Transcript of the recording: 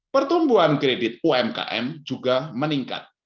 pertumbuhan kredit umkm juga meningkat